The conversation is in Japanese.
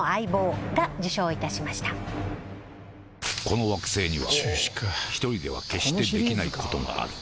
「この惑星には一人では決してできないことがある」